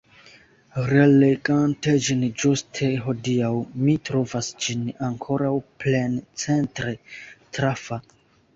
Relegante ĝin ĝuste hodiaŭ, mi trovas ĝin ankoraŭ plencentre trafa.